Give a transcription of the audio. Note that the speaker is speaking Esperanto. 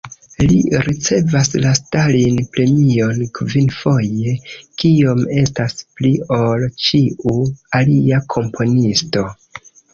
Li ricevas la Stalin-premion kvinfoje, kiom estas pli ol ĉiu alia komponisto.